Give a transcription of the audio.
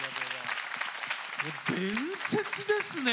伝説ですね